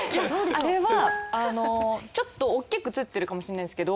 あれはちょっと大きく映ってるかもしれないんですけど。